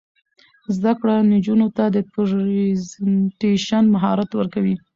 زده کړه نجونو ته د پریزنټیشن مهارت ورکوي.